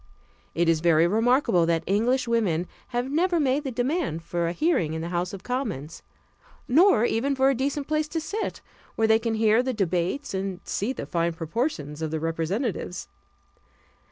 It is very remarkable that English women have never made the demand for a hearing in the House of Commons, nor even for a decent place to sit, where they can hear the debates and see the fine proportions of the representatives.